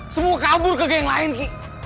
semua kabur ke gang lain ki